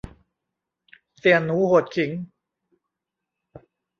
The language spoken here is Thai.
เสี่ยหนูโหดขิง